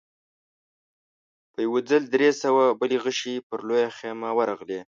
په يوه ځل درې سوه بلې غشې پر لويه خيمه ورغلې.